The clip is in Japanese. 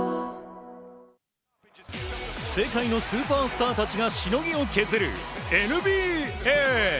世界のスーパースターたちがしのぎを削るＮＢＡ！